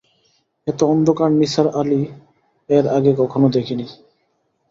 এত অন্ধকার নিসার আলি এর আগে কখনো দেখেন নি।